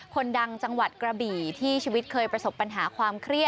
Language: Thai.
คนดังจังหวัดกระบี่ที่ชีวิตเคยประสบปัญหาความเครียด